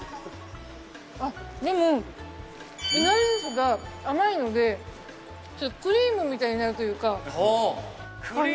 でもいなり寿司が甘いのでクリームみたいになるというか。